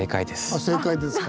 あ正解ですか。